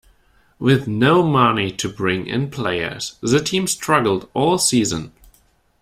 With no money to bring in players, the team struggled all season.